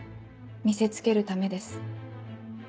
見せつけるためです。